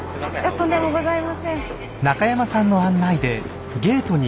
とんでもございません。